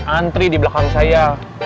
antri di belakang saya